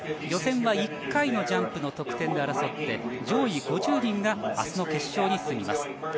予選は１回のジャンプの得点で争って、上位５０人が明日の決勝に進みます。